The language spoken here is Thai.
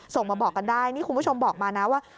ส่งมาบอกกันได้นี่คุณผู้ชมบอกมานะว่า